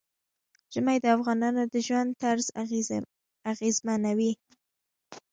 ژمی د افغانانو د ژوند طرز اغېزمنوي.